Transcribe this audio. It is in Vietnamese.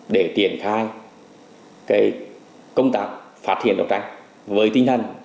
để tiền khai công tác phát hiện đấu tranh với tinh thần đấu tranh